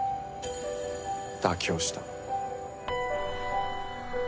妥協した。